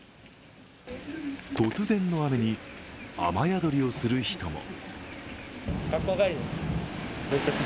突然の雨に、雨宿りをする人も。